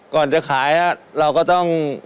ก่อนจะขายเราก็ต้อง